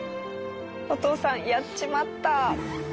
お父さん「やっちまった」。